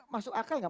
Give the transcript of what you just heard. masuk akal gak